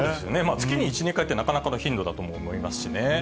月に１、２回って、なかなかの頻度だと思いますしね。